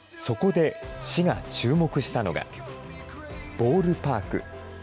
そこで市が注目したのが、ボールパーク。